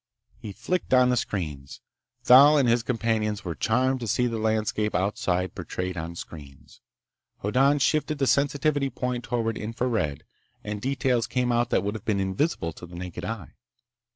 He flicked on the screens. Thal and his companions were charmed to see the landscape outside portrayed on screens. Hoddan shifted the sensitivity point toward infra red, and details came out that would have been invisible to the naked eye.